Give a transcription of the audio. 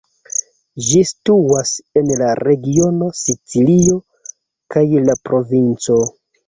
Ĝi situas en la regiono Sicilio kaj la provinco.